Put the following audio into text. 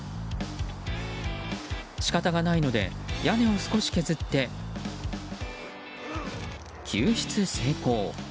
仕方がないので屋根を少し削って救出成功。